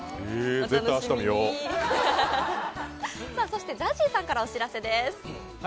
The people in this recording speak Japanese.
そしてＺＡＺＹさんからお知らせです。